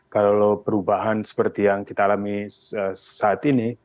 kalau perubahan seperti yang kita alami saat ini